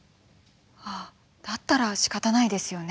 ああだったらしかたないですよね。